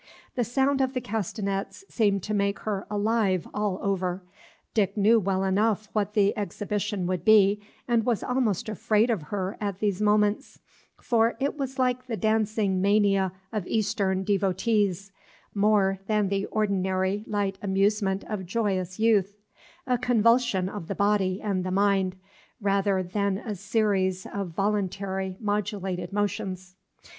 The sound of the castanets seemed to make her alive all over. Dick knew well enough what the exhibition would be, and was almost afraid of her at these moments; for it was like the dancing mania of Eastern devotees, more than the ordinary light amusement of joyous youth, a convulsion of the body and the mind, rather than a series of voluntary modulated motions.